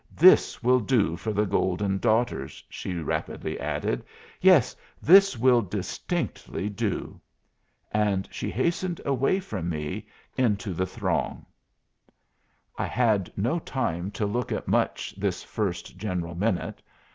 "This will do for the Golden Daughters," she rapidly added; "yes, this will distinctly do." And she hastened away from me into the throng. I had no time to look at much this first general minute.